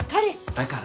だから。